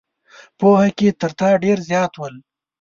پوهه کې تر تا ډېر زیات ول.